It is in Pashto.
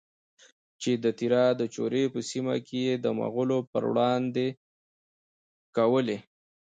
چې د تیرا د چورې په سیمه کې یې د مغولو پروړاندې کولې؛